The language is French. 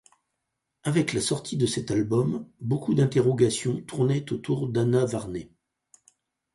Avec la sortie de cet album, beaucoup d'interrogations tournaient autour d'Anna-Varney.